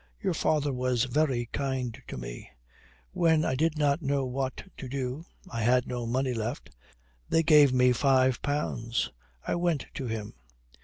Your father was very kind to me. When I did not know what to do I had no money left they gave me five pounds I went to him.